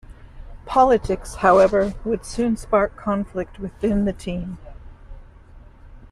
Politics, however, would soon spark conflict within the team.